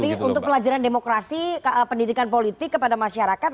tapi untuk pelajaran demokrasi pendidikan politik kepada masyarakat